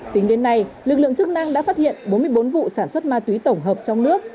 tính đến nay lực lượng chức năng đã phát hiện bốn mươi bốn vụ sản xuất ma túy tổng hợp trong nước